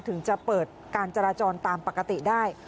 ถึงจะเปิดการจราจรตามปกติได้